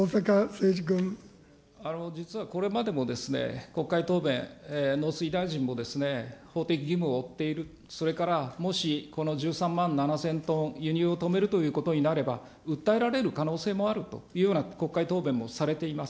実はこれまでも、国会答弁、農水大臣も法的義務を負っている、それからもし、この１３万７０００トン、輸入を止めるということになれば、訴えられる可能性もあるというような国会答弁もされています。